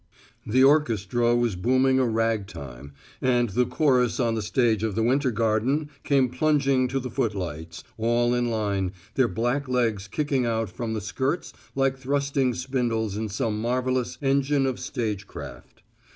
The orchestra was booming a rag time, and the chorus on the stage of the Winter Garden came plunging to the footlights, all in line, their black legs kicking out from the skirts like thrusting spindles in some marvelous engine of stagecraft.